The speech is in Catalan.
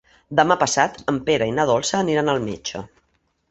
Demà passat en Pere i na Dolça aniran al metge.